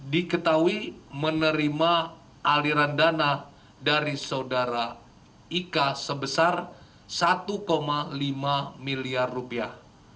diketahui menerima aliran dana dari saudara ika sebesar satu lima miliar rupiah